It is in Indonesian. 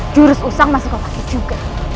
jurus usang masih ke wakil juga